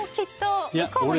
向こうも。